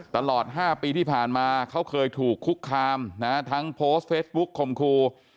ตลอด๕ปีที่ผ่านมาเขาเคยถูกคุกคามทั้งโพสต์เฟสบุ๊คคมครู